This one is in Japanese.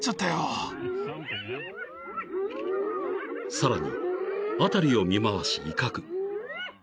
［さらに辺りを見回し威嚇］